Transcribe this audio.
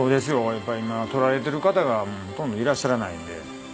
やっぱり今取られてる方がもうほとんどいらっしゃらないので。